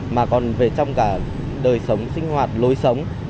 mà còn về trong cả đời sống sinh hoạt lối sống